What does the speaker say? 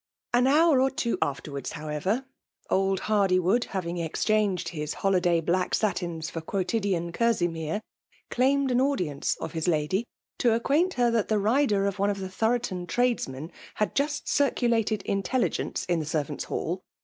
An hour or two afterwards, however, oM Hardywood, having exchanged his holidajf black satins for quotidian kerseymere, elaimed an audience of his lady, to acquaint her tSat the rider of one of the Thoroton tradeomen had just circulated intelligence in the servants* FE<3iaLE OOMINATIOX; H^ hoik .